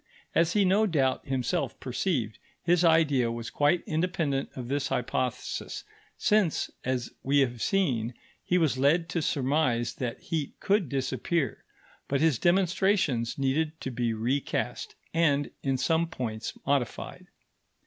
As he no doubt himself perceived, his idea was quite independent of this hypothesis, since, as we have seen, he was led to surmise that heat could disappear; but his demonstrations needed to be recast and, in some points, modified.